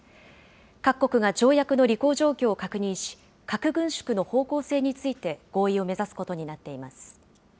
各国が条約の履行状況を確認し、核軍縮の方向性について合意を目指すことになっています。